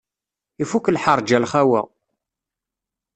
Ifuk lḥerǧ a lxawa.